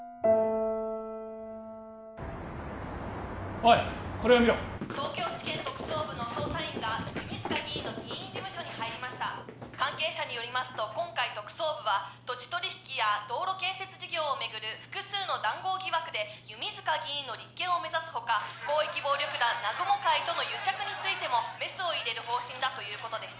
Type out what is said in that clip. おいこれを見ろ東京地検特捜部の捜査員が弓塚議員の議員事務所に入りました関係者によりますと今回特捜部は土地取引や道路建設事業をめぐる複数の談合疑惑で弓塚議員の立件を目指すほか広域暴力団南雲会との癒着についてもメスを入れる方針だということです